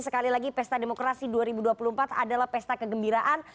sekali lagi pesta demokrasi dua ribu dua puluh empat adalah pesta kegembiraan